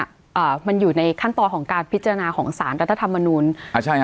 อ่ามันอยู่ในขั้นตอนของการพิจารณาของสารรัฐธรรมนูลอ่าใช่ฮ